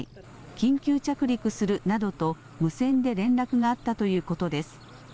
緊急着陸するなどと無線で連絡があったということです。